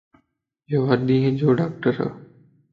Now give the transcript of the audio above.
ايو ھڏين جو ڊاڪٽرَ